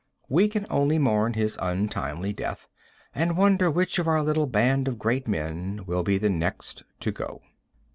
We can only mourn his untimely death, and wonder which of our little band of great men will be the next to go.